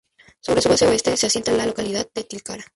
Sobre su base oeste se asienta la localidad de Tilcara.